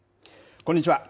こんにちは。